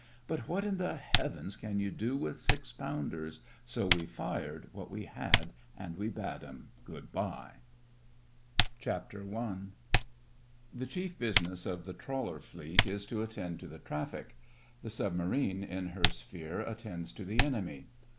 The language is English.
But what in the — Heavens can you do loith six pounders ? So we fired what we had and we bade him good bye. SUBMARINES The chief business of the Trawler Fleet is to attend to the traflfic. The submarine in her sphere attends to the enemy.